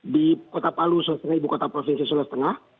di kota palu soseng ibu kota provinsi soseng